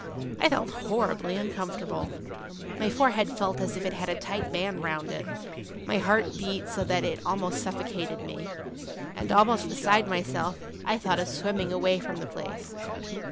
I felt horribly uncomfortable, my forehead felt as if it had a tight band round it, my heart beat so that it almost suffocated me, and, almost beside myself, I thought of swimming away from the place.